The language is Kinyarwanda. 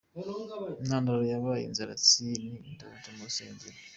Intandaro yabaye inzaratsi ni irondora ryo mu rusengero.